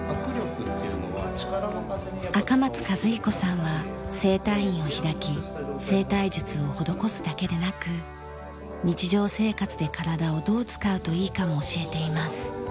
赤松和彦さんは整体院を開き整体術を施すだけでなく日常生活で体をどう使うといいかも教えています。